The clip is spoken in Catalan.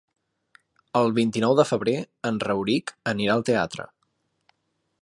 El vint-i-nou de febrer en Rauric anirà al teatre.